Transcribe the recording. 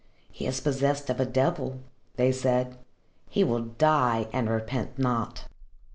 "He is possessed of a devil," they said. "He will die and repent not."